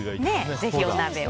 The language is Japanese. ぜひ、お鍋を。